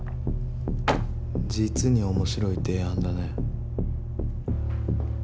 実に面白い提案だね。